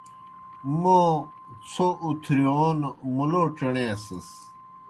موں څھوْ اُتھرِیون مُلو ڇینیسِس۔